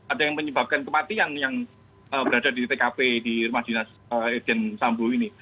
ada yang menyebabkan kematian yang berada di tkp di rumah dinas irjen sambo ini